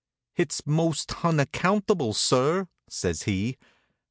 "Hit's most hunnacountable, sir," says he.